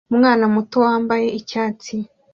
umwana muto wambaye icyatsi